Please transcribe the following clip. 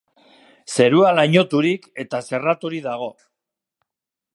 Zerua lainoturik eta zerraturik dago.